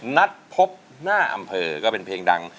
นัดพบหน้าอำเภอก็เป็นเพลงดัง